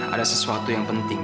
ada sesuatu yang penting